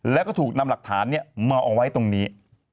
แล้วก็ถูกนำหลักฐานมาเอาไว้ตรงนี้